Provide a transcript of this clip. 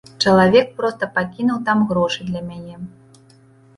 Чалавек проста пакінуў там грошы для мяне.